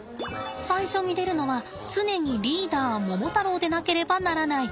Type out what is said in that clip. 最初に出るのは常にリーダーモモタロウでなければならない。